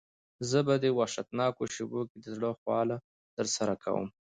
زه په دې وحشتناکو شېبو کې د زړه خواله درسره کوم.